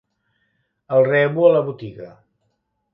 El rebo a la botiga.